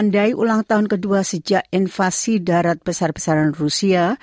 menandai ulang tahun kedua sejak invasi darat besar besaran rusia